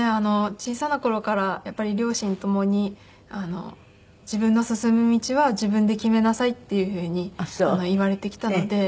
小さな頃からやっぱり両親共に自分の進む道は自分で決めなさいっていうふうに言われてきたので。